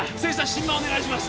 心マお願いします